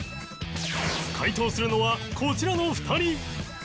解答するのはこちらの２人